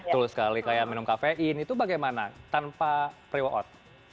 tuh sekali kayak minum kafein itu bagaimana tanpa pre workout